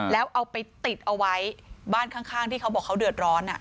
แล้วเอาไปติดเอาไว้บ้านข้างที่เขาบอกเขาเดือดร้อน